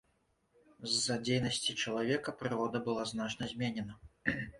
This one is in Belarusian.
З-за дзейнасці чалавека прырода была значна зменена.